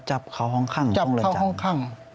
จับเขาห้องข้างจับเลยเข้าห้องข้าง